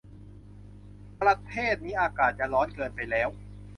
ประเทศนี้อากาศจะร้อนเกินไปแล้ว